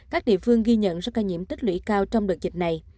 các địa phương ghi nhận số ca nhiễm tích lũy cao trong đợt dịch này